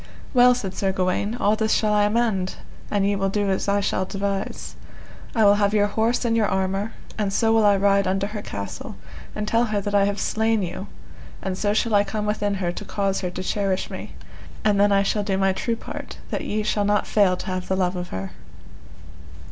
Well, said Sir Gawaine, all this shall I amend an ye will do as I shall devise: I will have your horse and your armour, and so will I ride unto her castle and tell her that I have slain you, and so shall I come within her to cause her to cherish me, and then shall I do my true part that ye shall not fail to have the love of her.